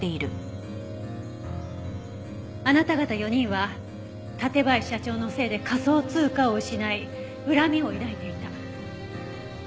あなた方４人は館林社長のせいで仮想通貨を失い恨みを抱いていた。